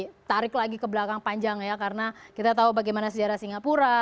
kita tarik lagi ke belakang panjang ya karena kita tahu bagaimana sejarah singapura